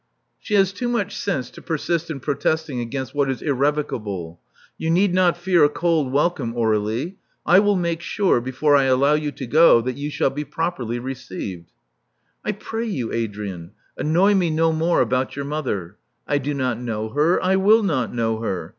She has too much sense to persist in protesting against what is irrevocable. You need not fear a cold welcome, Aur^lie. I will make sure, before I allow you to go, that you shall be properly received." *'I pray you, Adrian, annoy me no more about your mother. I do not know her: I will not know her.